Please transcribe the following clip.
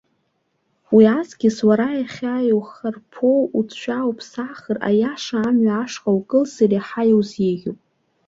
Уи аҵкьыс уара иахьа иухарԥоу уцәа уԥсахыр, аиаша мҩа ашҟа укылсыр, иаҳа иузеиӷьуп.